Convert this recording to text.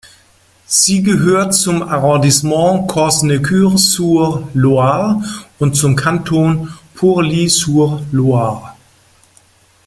Sie gehört zum Arrondissement Cosne-Cours-sur-Loire und zum Kanton Pouilly-sur-Loire.